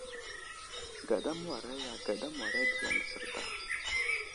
Gaɗa mə́wara ya, gaɗa mə́wara ɗiya nəsər daw.